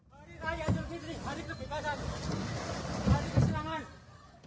hari raya jogja hari kebebasan hari kesilangan